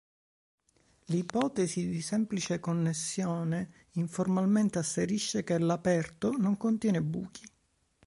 L'ipotesi di semplice connessione informalmente asserisce che l'aperto "non contiene buchi".